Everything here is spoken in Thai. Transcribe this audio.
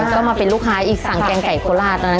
ก็มาเป็นลูกค้าอีกสั่งแกงไก่โคราชตอนนั้น